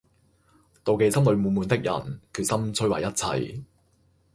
妒忌心裏滿滿的人，決心摧毀一切